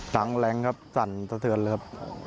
ตั้งแล้งครับจั่นตะเสือนครับ